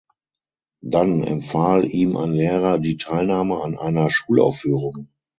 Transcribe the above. Dann empfahl ihm ein Lehrer die Teilnahme an einer Schulaufführung.